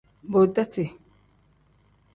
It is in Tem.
Bodasi.